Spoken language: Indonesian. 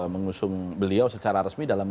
mengusung beliau secara resmi dalam